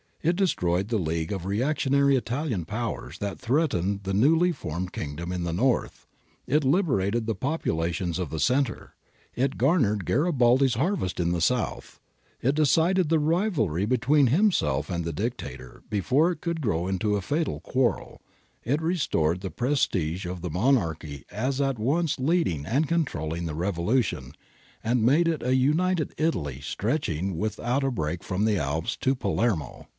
It destroyed the league of reactionary Italian powers that threatened the newly formed Kingdom in the North, it liberated the populations of the Centre, it garnered Garibaldi's harvest in the South, it decided the rivalry between himself and the Dictator before it could grow into a fatal quarrel, it restored the prestige of the * F. O. Rome, Russell, No. 82, June 8, i860. Gregorovius, 83, 91, 14 2IO GARIBALDI AND THE MAKING OF ITALY Monarchy as at once leading and controlling the revolu tion, and it made a United Italy stretching without a break from the Alps to Palermo.